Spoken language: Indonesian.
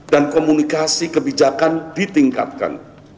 dan komunikasi kebijakan ditingkatkan